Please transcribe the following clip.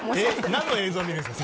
何の映像見るんすか？